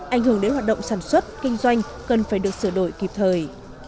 ảnh hưởng đến hoạt động sản xuất kinh doanh cần phải được sửa đổi kịp thời